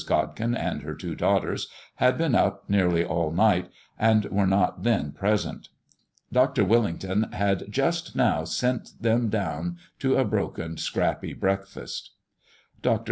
Godkin and her two daughters had been up nearly all night and were not then present. Dr. Willington had just now sent them down to a broken, scrappy breakfast. Dr.